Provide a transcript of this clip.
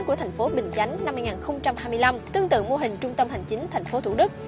của tp bình chánh năm hai nghìn hai mươi năm tương tự mô hình trung tâm hành chính tp thủ đức